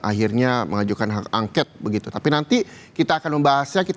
akhirnya mengajukan hak angket begitu tapi nanti kita akan membahasnya kita